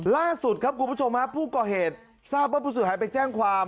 ล่าสุดครับคุณผู้ชมฮะผู้ก่อเหตุทราบว่าผู้เสียหายไปแจ้งความ